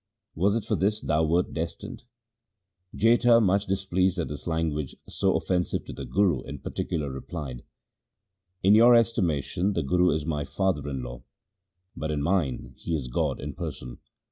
Was it for this thou wert destined ?' Jetha, much displeased at this language, so offen sive to the Guru in particular, replied :' In your estimation the Guru is my father in law, but in mine he is God in person.